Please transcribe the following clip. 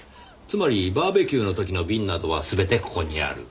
つまりバーベキューの時の瓶などはすべてここにある。